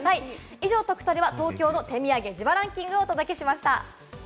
以上、トクトレは東京の手土産、自腹ンキングをお届けしました。